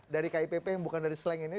dari kipp yang bukan dari slang ini